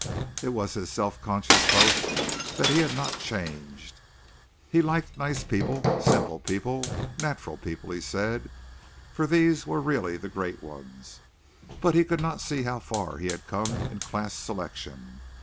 It was his self conscious boast that he had not changed. He liked nice people, simple people, natural people he said, for these were the really great ones, but he could not see how far he had come in class selection.